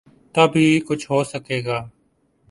تب ہی کچھ ہو سکے گا۔